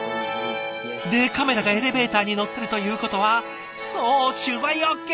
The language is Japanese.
でカメラがエレベーターに乗ってるということはそう取材ＯＫ！